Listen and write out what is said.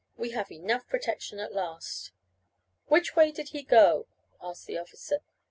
We have enough of protection at last." "Which way did he go?" asked the officer.